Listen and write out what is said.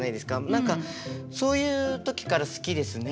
何かそういう時から好きですね。